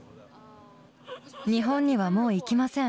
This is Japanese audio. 日本にはもう行きません。